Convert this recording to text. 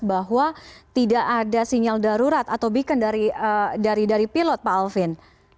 bahwa tidak ada sinyal darurat atau beacon dari pilot pak alvin